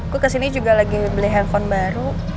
gue kesini juga lagi beli handphone baru